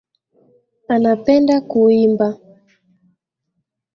Anapenda kuimba.